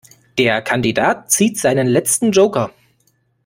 Der Kandidat zieht seinen letzten Joker.